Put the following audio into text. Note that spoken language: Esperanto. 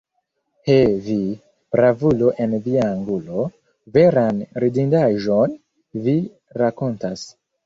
He, vi, bravulo en via angulo, veran ridindaĵon vi rakontas!